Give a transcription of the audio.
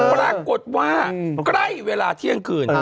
ปรากฏว่าใกล้เวลาเที่ยงคืน